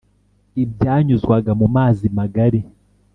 ibyanyuzwaga mu mazi magari,